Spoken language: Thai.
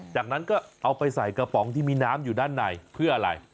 จากนั้นก็เอาไปใส่กระป๋องที่มีน้ำอยู่ด้านในเพื่ออะไร